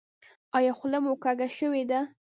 ایا خوله مو کوږه شوې ده؟